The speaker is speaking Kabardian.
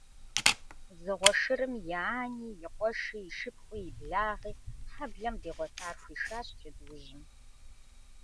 Дзыгъуэ шырым и ани, и къуэши, и шыпхъуи, и благъи, хьэблэм дигъуэтар хуишащ джэдуужьым.